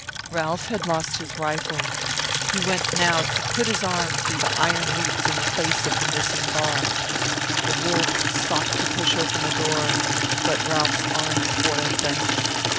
Ralph had lost his rifle. He went now to put his arm through the iron loops in place of the missing bar. The wolves sought to push open the door, but Ralph's arm foiled them.